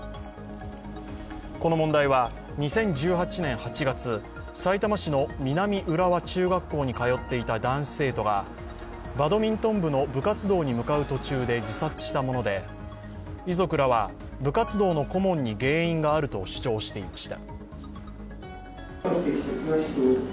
この問題は、２０１８年８月、さいたま市の南浦和中学校に通っていた男子生徒がバドミントン部の部活動に向かう途中で自殺したもので、遺族らは部活動の顧問に原因があると主張していました。